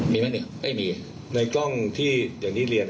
มีไหมเนี่ยไม่มีในกล้องที่อย่างที่เรียน